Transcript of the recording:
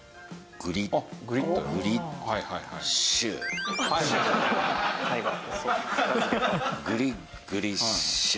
グリッグリッシューッ。